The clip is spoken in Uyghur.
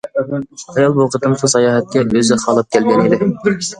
ئايال بۇ قېتىمقى ساياھەتكە ئۆزى خالاپ كەلگەنىدى.